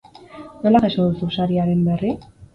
Nola jaso duzu sariaren berri?